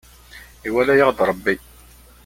Iwala-yaɣ-d Rebbi.